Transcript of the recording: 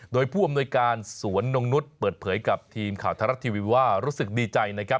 โดยผู้อำนวยการสวนนกนุษย์เปิดเผยกับทีมข่าวธรรมชาติวิว่ารู้สึกดีใจ